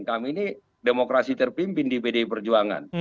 kami ini demokrasi terpimpin di pdi perjuangan